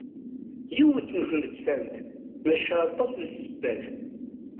Yiwet n tmettant maca aṭas n ssebbat.